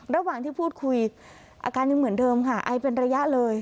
ระหว่างที่พูดคุยอาการยังเหมือนเดิมค่ะไอเป็นระยะเลย